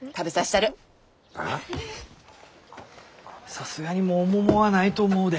さすがにもう桃はないと思うで。